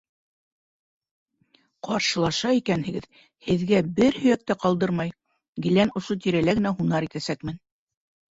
Ҡаршылаша икәнһегеҙ, һеҙгә бер һөйәк тә ҡалдырмай, гелән ошо тирәлә генә һунар итәсәкмен.